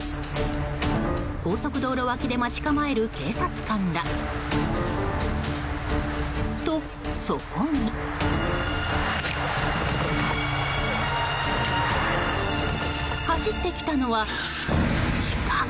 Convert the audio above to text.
高速道路脇で待ち構える警察官ら。と、そこに走ってきたのはシカ。